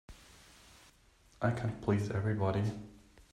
I can't please everybody.